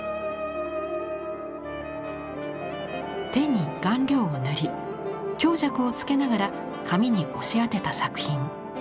手に顔料を塗り強弱をつけながら紙に押し当てた作品。